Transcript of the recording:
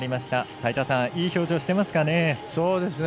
齋田さん、いい表情してますかね。